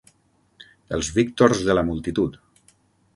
Els víctors de la multitud.